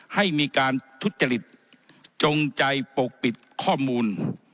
ให้มีการทุจริตจงใจปกปิดข้อมูล